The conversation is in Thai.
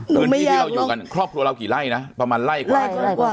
หนึ่งที่ที่เราอยู่กันครอบครัวเรากี่ไร่นะประมาณไร่กว่า